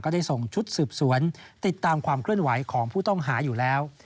ได้ส่งชุดสืบสวนติดตามความเคลื่อนไหวของผู้ต้องหาอยู่แล้ว